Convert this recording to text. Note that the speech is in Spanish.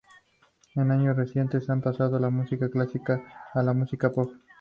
En años recientes ha pasado de la música clásica a la música pop.